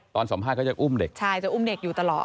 ตอนสัมภาษณ์ก็จะอุ้มเด็ก